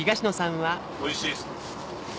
おいしいですか？